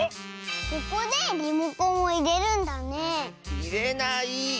ここでリモコンをいれるんだねいれない！